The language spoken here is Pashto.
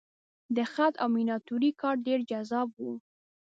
د خط او میناتورۍ کار ډېر جذاب و.